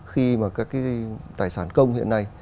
khi mà các tài sản công hiện nay